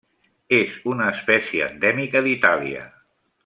És una espècie endèmica d'Itàlia.